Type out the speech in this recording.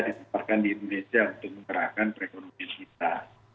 disempatkan di indonesia untuk mengerahkan perekonomian kita